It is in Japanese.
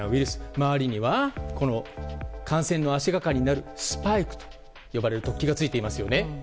周りには感染の足掛かりになるスパイクと呼ばれる突起がついていますよね。